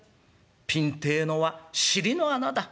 ピンってえのは尻の穴だ」。